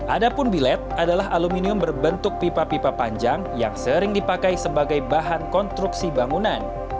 adapun bilet adalah aluminium berbentuk pipa pipa panjang yang sering dipakai sebagai bahan konstruksi bangunan